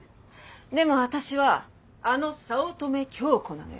でも私はあの早乙女京子なのよ。